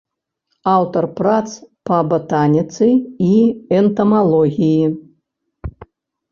Аўтар прац па батаніцы і энтамалогіі.